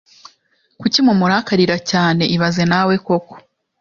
Kuki mumurakarira cyane ibaze nawe koko